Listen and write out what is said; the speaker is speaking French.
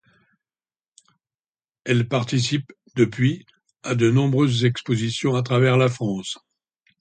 Elle participe, depuis, à de nombreuses expositions à travers la France.